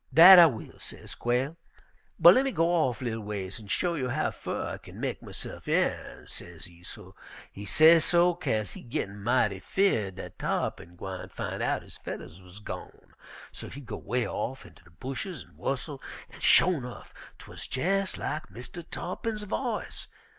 "'Dat I will,' sez Quail, 'but lemme go off li'l ways an' show you how fer I kin mek myse'f yearn,' sezee. He sesso 'kase he'z gittin' mighty 'feerd dat Tarr'pin gwine fin' out his fedders wuz gone. So he go 'way off inter de bushes an' whustle, an' sho' nuff, 'twuz jes' lak Mistah Tarr'pin's voice.